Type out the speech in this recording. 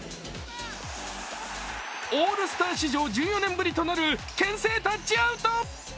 オールスター史上１４年ぶりとなるけん制タッチアウト。